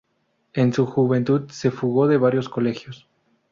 En su juventud se fugó de varios colegios.